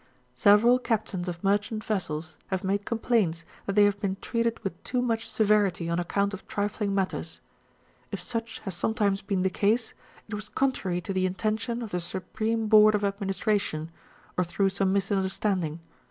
Several captains of merchant vessels have made complaints that they have been treated with too much severity on account of trifling matters. If such has sometimes been the case, it was contrary to the intention of the Supreme Board of Administration, or through s(»ne misimderstanding.